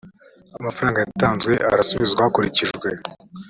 amafaranga yatanzwe arasubizwa hakurikijwe